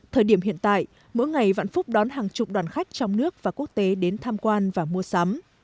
thời điểm hiện tại mỗi ngày vạn phúc đón hàng chục đoàn khách trong nước và quốc tế đến tham quan và mua sắm